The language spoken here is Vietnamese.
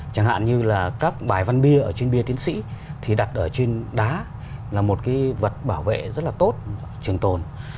chẳng hạn như là các bài văn bia ở trên bia tiến sĩ thì đặt ở trên đá là một cái vật bảo vệ rất là tốt trường tồn